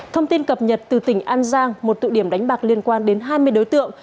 thông tin cập nhật từ tỉnh an giang một tụ điểm đánh bạc liên quan đến hai mươi đối tượng